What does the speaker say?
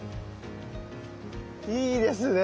いいですね。